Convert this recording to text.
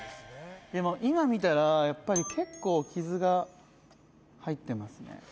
「でも今見たらやっぱり結構傷が入ってますね」